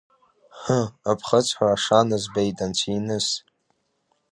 Ҳы, аԥхыӡ ҳәа ашана збеит, анцәиныс.